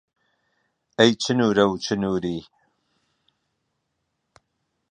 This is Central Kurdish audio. ئەی چنوورە و چنووری